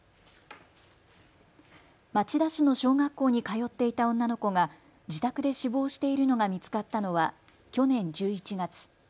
町田市の小学校に通っていた女の子が自宅で死亡しているのが見つかったのは去年１１月。